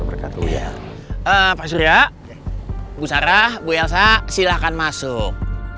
pak surya bu sarah bu elsa silahkan masuk